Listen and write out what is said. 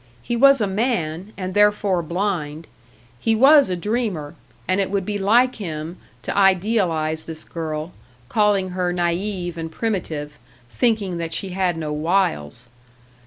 He was a man, and therefore blind; he was a dreamer, and it would be like him to idealise this girl, calling her naïve and primitive, thinking that she had no wiles!